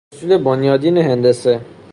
اصول بنیادین هندسه